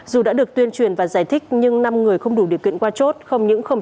dù đã được tuyên truyền và giải thích nhưng năm người không đủ điều kiện qua chốt không những không